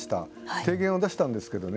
提言を出したんですけどね。